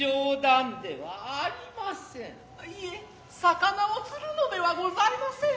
否魚を釣るのではございません。